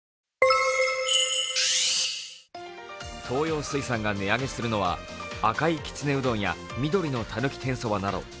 東洋水産が値上げするのは赤いきつねうどんや緑のたぬき天そばなど